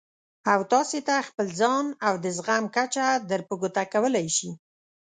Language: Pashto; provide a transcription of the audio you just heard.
او تاسې ته خپل ځان او د زغم کچه در په ګوته کولای شي.